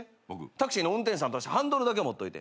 タクシーの運転手さんとしてハンドルだけは持っといて。